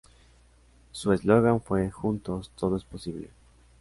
Su eslogan fue ""Juntos, todo es posible"".